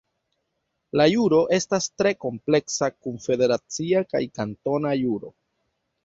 La juro estas tre kompleksa kun federacia kaj kantona juro.